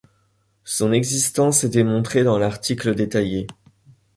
Son existence est démontrée dans l'article détaillé.